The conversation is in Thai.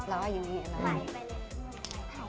ล้ออยู่นี่